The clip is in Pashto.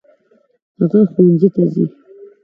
هغه ښوونځي ته ځي.